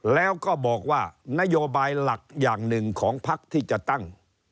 แล้วก็บอกว่านโยบายหลักอย่างหนึ่งของพักที่จะตั้ง